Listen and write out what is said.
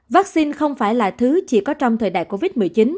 vắc xin không phải là thứ chỉ có trong thời đại covid một mươi chín